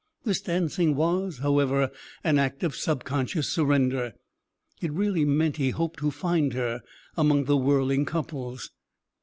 This dancing was, however, an act of subconscious surrender; it really meant he hoped to find her among the whirling couples.